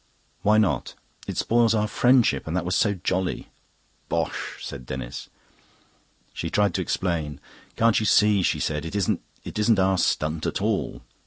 "Why not?" "It spoils our friendship, and that was so jolly." "Bosh!" said Denis. She tried to explain. "Can't you see," she said, "it isn't...it isn't our stunt at all."